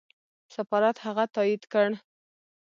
سفارت هغه تایید کړ.